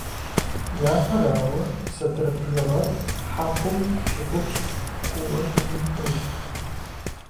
Япэрауэ, сатыр бжыгъэр хьэкъыу пщыкӀуплӀ хъууэ щытын хуейщ.